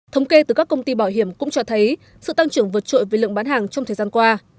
thống kê từ các công ty bảo hiểm cũng cho thấy sự tăng trưởng vượt trội về lượng bán hàng trong thời gian qua